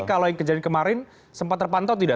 kalau yang kejadian kemarin sempat terpantau tidak